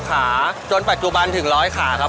เพราะมีช่องสื่อต่างและช่องยูทูปเปอร์ต่าง